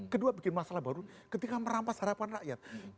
kedua bikin masalah baru ketika merampas harapan rakyat